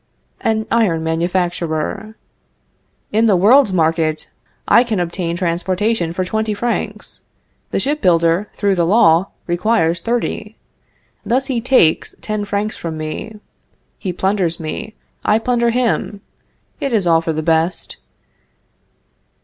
"An Iron Manufacturer. In the world's market I can obtain transportation for twenty francs. The ship builder, through the law, requires thirty. Thus he takes ten francs from me. He plunders me; I plunder him. It is all for the best.